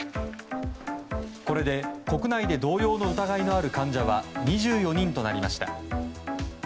これで国内で同様の疑いのある患者は２４人となりました。